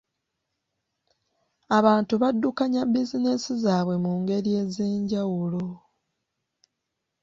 Abantu baddukanya bizinensi zaabwe mu ngeri ez'enjawulo.